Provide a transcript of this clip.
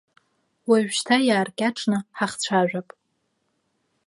Уажәшьҭа иааркьаҿны ҳахцәажәап.